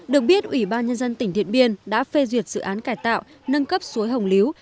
được biết ủy ban nhân dân tỉnh điện biên đã phê duyệt dự án cải tạo nâng cấp suối hồng lưu